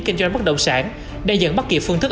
kinh doanh bất động sản để dẫn bất kỳ phương thức